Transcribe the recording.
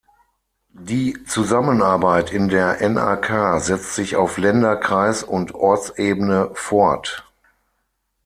Die Zusammenarbeit in der nak setzt sich auf Länder-, Kreis- und Ortsebene fort.